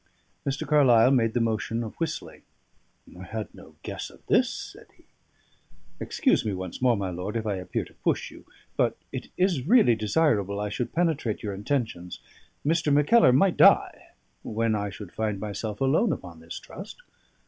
Mr. Carlyle made the motion of whistling. "I had no guess of this," said he. "Excuse me once more, my lord, if I appear to push you; but it is really desirable I should penetrate your intentions. Mr. Mackellar might die, when I should find myself alone upon this trust.